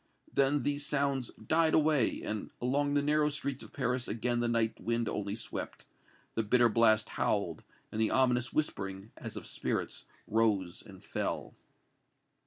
Then these sounds died away, and along the narrow streets of Paris again the night wind only swept, the bitter blast howled and the ominous whispering, as of spirits, rose and fell.